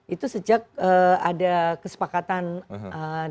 itu sejak ada kesepakatan dagang antara amerika